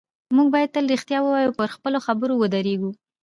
موږ باید تل رښتیا ووایو او پر خپلو خبرو ودرېږو